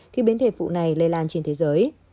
thì biến thể vụ này lây lan trên thế giới